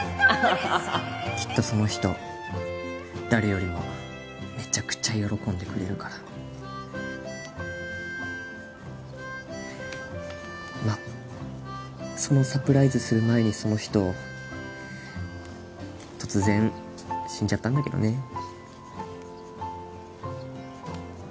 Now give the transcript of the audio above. きっとその人誰よりもめちゃくちゃ喜んでくれるからまっそのサプライズする前にその人突然死んじゃったんだけどね